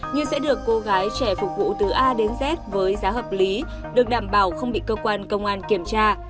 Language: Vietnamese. như sẽ được cô gái trẻ phục vụ từ a đến z với giá hợp lý được đảm bảo không bị cơ quan công an kiểm tra